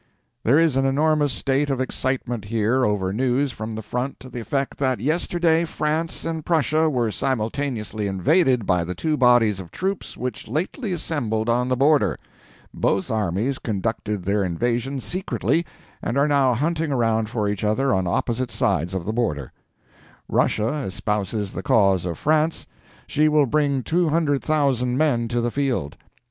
There is an enormous state of excitement here over news from the front to the effect that yesterday France and Prussia were simultaneously invaded by the two bodies of troops which lately assembled on the border. Both armies conducted their invasions secretly and are now hunting around for each other on opposite sides of the border. Russia espouses the cause of France. She will bring 200,000 men to the field.